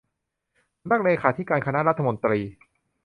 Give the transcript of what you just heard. สำนักเลขาธิการคณะรัฐมนตรี